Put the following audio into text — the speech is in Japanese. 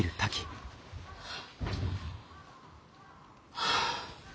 はあ。